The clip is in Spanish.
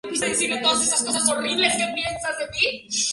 En el arte, se la representa con casco, coraza, espada, lanza y antorcha.